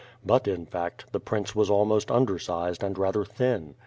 But in fact, the prince was almost undersized and rather thin.